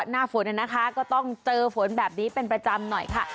หน้าฝนนะคะก็ต้องเจอฝนแบบนี้เป็นประจำหน่อยค่ะ